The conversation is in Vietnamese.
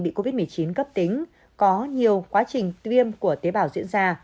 bị covid một mươi chín cấp tính có nhiều quá trình tiêm của tế bào diễn ra